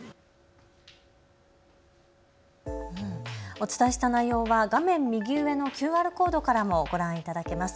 お伝えした内容は画面右上のＱＲコードからもご覧いただけます。